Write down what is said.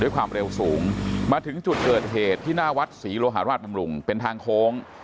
ความเร็วสูงมาถึงจุดเกิดเหตุที่หน้าวัดศรีโลหาราชบำรุงเป็นทางโค้ง